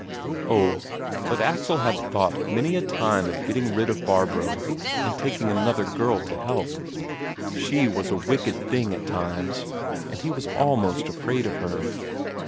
Oh, but Axel had thought many a time of getting rid of Barbro and taking another girl to help; she was a wicked thing at times, and he was almost afraid of her.